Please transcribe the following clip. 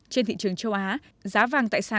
trên thị trường châu á giá vàng tại sài gòn